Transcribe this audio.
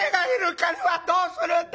金はどうするんだ？』。